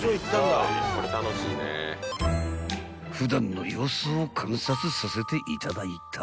［普段の様子を観察させていただいた］